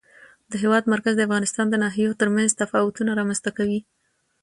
د هېواد مرکز د افغانستان د ناحیو ترمنځ تفاوتونه رامنځته کوي.